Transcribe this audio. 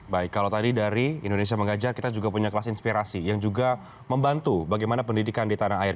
baik kalau tadi dari indonesia mengajar kita juga punya kelas inspirasi yang juga membantu bagaimana pendidikan di tanah air